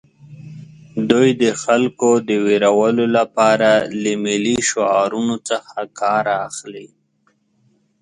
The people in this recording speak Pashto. دوی د خلکو د ویرولو لپاره له ملي شعارونو څخه کار اخلي